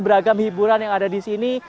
beragam hiburan yang ada di sini